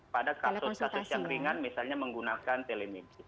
pada kasus kasus yang ringan misalnya menggunakan telemedicine